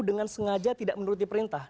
dengan sengaja tidak menuruti perintah